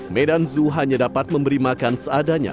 medan zoo hanya dapat memberi makan seadanya